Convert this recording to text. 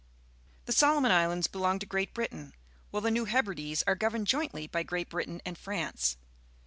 The Solo mon Islands belong to Great Britain, while the New Hebrides are governed jointly by Great Britain and France.